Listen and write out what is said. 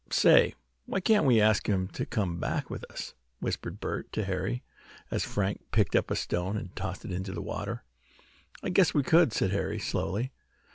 "Say, why can't we ask him to come back with us?" whispered Bert to Harry, as Frank picked up a stone and tossed it into the water. "I guess we could," said Harry, slowly.